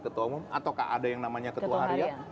ketua umum ataukah ada yang namanya ketua harian